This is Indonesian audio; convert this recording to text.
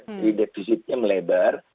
jadi defisitnya melebar